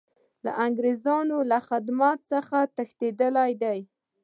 له انګریزانو له خدمت څخه تښتېدلی دی.